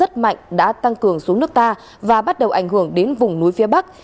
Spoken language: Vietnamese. đợt không khí lạnh đã tăng cường xuống nước ta và bắt đầu ảnh hưởng đến vùng núi phía bắc